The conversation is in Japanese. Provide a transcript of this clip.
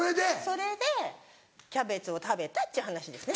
それでキャベツを食べたっちゅう話ですね。